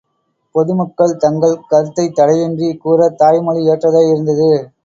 பொதுமக்கள் தங்கள் கருத்தைத் தடையின்றிக் கூறத் தாய் மொழி ஏற்றதாய் இருந்தது.